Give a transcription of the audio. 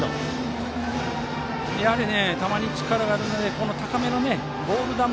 球に力があるので高めのボール球